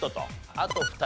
あと２人。